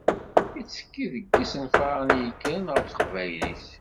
Yettekki deg yisenfaren i yekkren ɣef Teqbaylit.